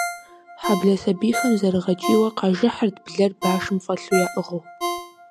Хьэблэ сэбийхэм зэрыгъэкӏийуэ къажыхьырт, блэр башым фӏэлъу яӏыгъыу.